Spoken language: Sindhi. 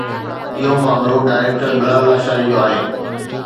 اهو معاملو ڊائريڪٽر بلال لاشاري جو آهي